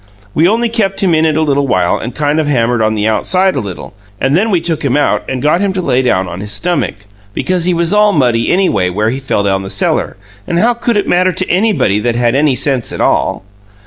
We only kept him in it a little while and kind of hammered on the outside a little and then we took him out and got him to lay down on his stummick, because he was all muddy anyway, where he fell down the cellar; and how could it matter to anybody that had any sense at all?